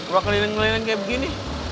wah keliling keliling kayak begini